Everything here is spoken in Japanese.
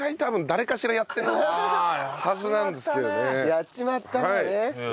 やっちまったんだね。